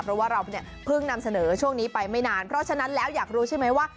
เพราะว่าเราเนี่ยเพิ่งนำเสนอช่วงนี้ไปไม่นานเพราะฉะนั้นแล้วอยากรู้ใช่ไหมว่า